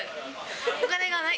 お金がない！